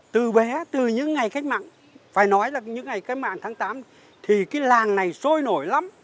từ bé từ những ngày khách mạng phải nói là những ngày cách mạng tháng tám thì cái làng này sôi nổi lắm